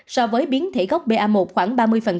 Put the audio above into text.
so với biến thể gốc ba khoảng ba mươi